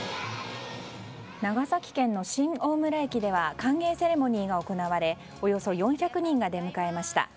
長崎県の新大村駅では歓迎セレモニーが行われおよそ４００人が出迎えました。